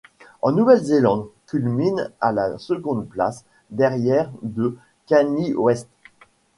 En Nouvelle-Zélande, culmine à la seconde place, derrière de Kanye West.